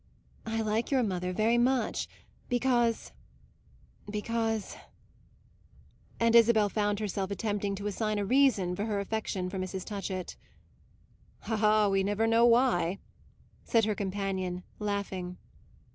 "I like your mother very much, because because " And Isabel found herself attempting to assign a reason for her affection for Mrs. Touchett. "Ah, we never know why!" said her companion, laughing.